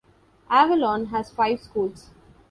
Avalon has five schools.